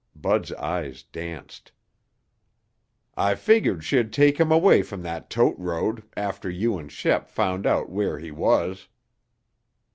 Bud's eyes danced. "I figured she'd take him away from that tote road after you and Shep found out where he was."